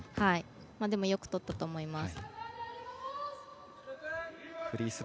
でも、よく取ったと思います。